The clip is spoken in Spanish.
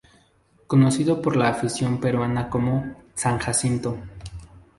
Conocido por la afición peruana como ""San Jacinto"".